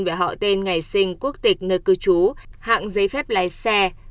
về họ tên ngày sinh quốc tịch nơi cư trú hạng giấy phép lái xe